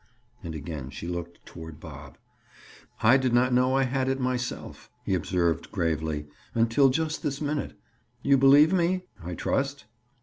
And again she looked toward Bob. "I did not know I had it myself," he observed gravely, "until just this minute. You believe me, I trust?"